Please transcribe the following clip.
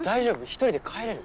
１人で帰れる？